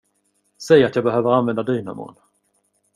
Säg att jag behöver använda dynamon.